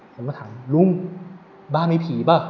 ผมก็ถามลุงบ้านมีผีเปล่า